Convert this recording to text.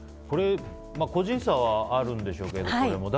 これも個人差はあるんでしょうけど。